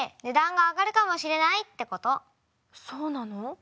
そうなの？